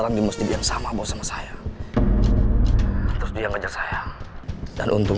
jadi mungkin kita harus bawa bantuan kebun